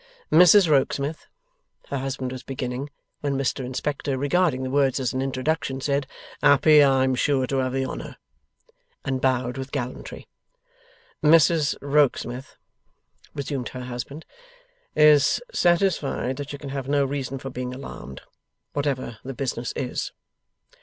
'Mrs Rokesmith,' her husband was beginning; when Mr Inspector, regarding the words as an introduction, said, 'Happy I am sure, to have the honour.' And bowed, with gallantry. 'Mrs Rokesmith,' resumed her husband, 'is satisfied that she can have no reason for being alarmed, whatever the business is.